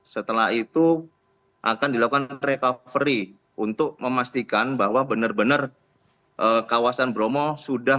setelah itu akan dilakukan recovery untuk memastikan bahwa benar benar kawasan bromo sudah